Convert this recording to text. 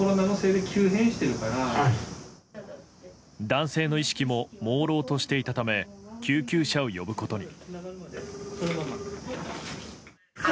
男性の意識ももうろうとしていたため救急車を呼ぶことに。